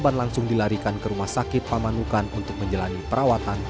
korban langsung dilarikan ke rumah sakit pamanukan untuk menjalani perawatan